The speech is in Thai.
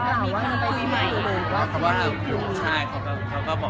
เราก็บอกยินดีด้วยครับ